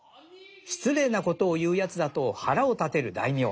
失礼なことを言うやつだと腹を立てる大名。